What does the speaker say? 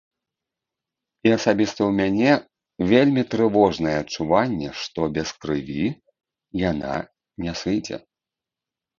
І асабіста ў мяне вельмі трывожнае адчуванне, што без крыві яна не сыдзе.